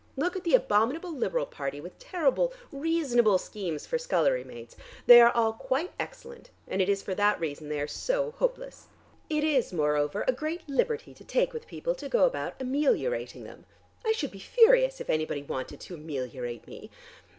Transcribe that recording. Look at the abominable Liberal party with terrible, reasonable schemes for scullery maids. They are all quite excellent, and it is for that reason they are so hopeless. "It is moreover a great liberty to take with people to go about ameliorating them. I should be furious if anybody wanted to ameliorate me.